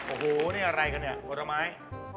โอ้โหนี่อะไรกันเนี่ยผลไม้